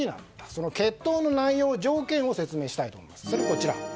その決闘の内容条件を説明したいと思います。